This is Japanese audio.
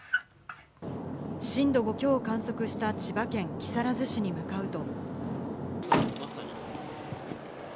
震度５強を観測した千葉県木更津市に向かうと。